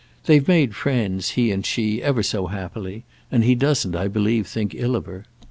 They've made friends, he and she, ever so happily, and he doesn't, I believe, think ill of her.